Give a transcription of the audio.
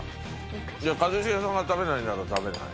じゃあ一茂さんが食べないなら食べない。